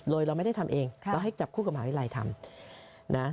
โรยเราไม่ได้ทำเองเราให้จับคู่กับหมาวิรัยทำ